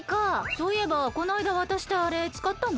そういえばこないだわたしたあれつかったの？